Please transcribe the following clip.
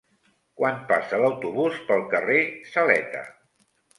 Quan passa l'autobús pel carrer Saleta?